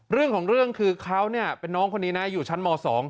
เรื่องของเรื่องคือเขาเป็นน้องคนนี้นะอยู่ชั้นม๒